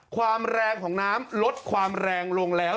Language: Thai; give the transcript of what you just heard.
ความแรงของน้ำลดความแรงลงแล้ว